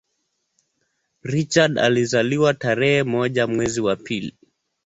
Richard alizaliwa tarehe moja mwezi wa pili